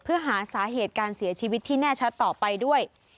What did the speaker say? เพื่อหาสาเหตุการเสียชีวิตที่แน่ชัดต่อไปด้วย